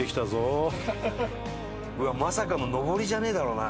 まさかの上りじゃねえだろうな？